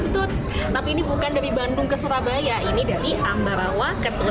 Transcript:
tapi ini bukan dari bandung ke surabaya ini dari ambarawa ke teluk